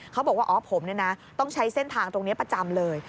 เขาบอกว่าอ๋อผมต้องใช้เส้นทางตรงนี้ประจำเลย